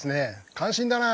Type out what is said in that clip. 感心だな。